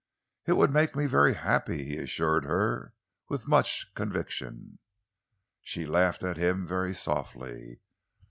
"It would make me very happy," he assured her with much conviction. She laughed at him very softly.